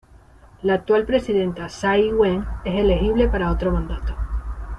La actual presidenta Tsai Ing-wen es elegible para otro mandato.